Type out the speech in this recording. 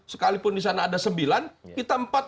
sekalipun di sana ada sembilan kita empat